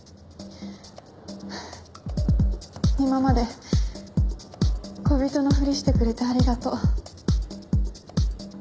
今まで恋人のふりしてくれてありがとう。